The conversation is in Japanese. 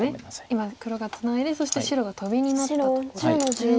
今黒がツナいでそして白がトビになったところですね。